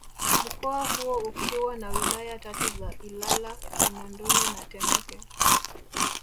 Mkoa huo ukiwa na Wilaya tatu za Ilala Kinondoni na Temeke